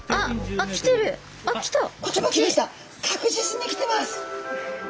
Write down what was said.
確実にきてます。